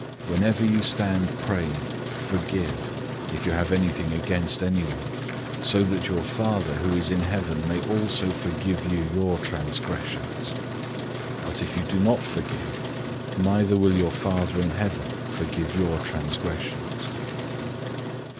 011:025 Whenever you stand praying, forgive, if you have anything against anyone; so that your Father, who is in heaven, may also forgive you your transgressions. 011:026 But if you do not forgive, neither will your Father in heaven forgive your transgressions."